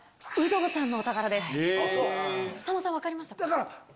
さんまさん分かりましたか？